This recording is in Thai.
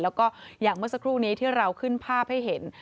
แล้วก็อย่างเมื่อสักครู่นี้ที่เราขึ้นภาพให้เห็น